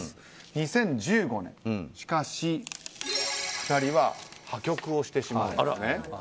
２０１５年しかし、２人は破局をしてしまうんですね。